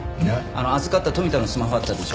あの預かった富田のスマホあったでしょ。